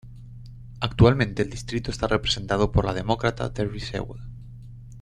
Actualmente el distrito está representado por la Demócrata Terri Sewell.